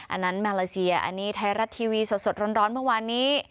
อันนั้นมาลาซีอาอันนี้ไทยรัตช์ทีวีสดร้อนวันวานนี้